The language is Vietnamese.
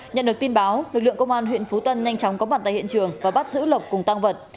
nhận được tin báo lực lượng công an huyện phú tân nhanh chóng có mặt tại hiện trường và bắt giữ lộc cùng tăng vật